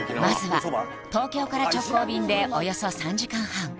まずは東京から直行便でおよそ３時間半